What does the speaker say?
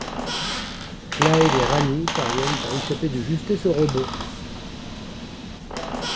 Clyde et Rani parviennent à échapper de justesse aux robots.